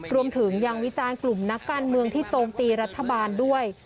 รวมถึงยังวิจารณ์กลุ่มนักการเมืองที่โจมตีรัฐบาลด้วย